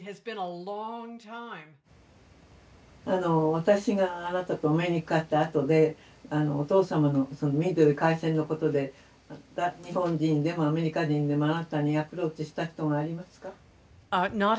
私があなたとお目にかかったあとでお父様のそのミッドウェー海戦のことで日本人でもアメリカ人でもあなたにアプローチした人がありますか？